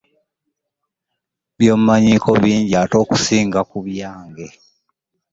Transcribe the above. By'omanyiiko bingi ate okusinga ku byange.